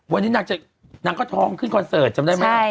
วันนี้นางก็ท้องขึ้นคอนเสิร์ตจำได้ไหม